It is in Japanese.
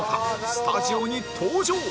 スタジオに登場！